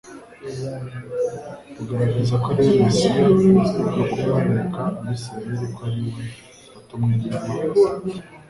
bugaragaza ko ari we Mesiya no kumwereka Abasiraeli ko ari we watumwe n'Imana.